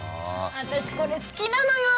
私これ好きなのよ。